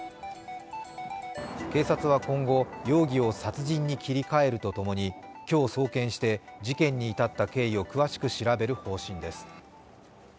警察は今後、容疑を殺人に切り替えると共に、今日送検して、事件に至った経緯を詳しく調べる方針です。